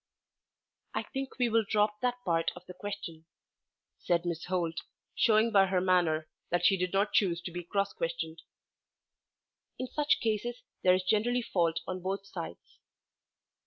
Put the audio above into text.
"I think we will drop that part of the question," said Miss Holt, showing by her manner that she did not choose to be cross questioned. "In such cases there is generally fault on both sides."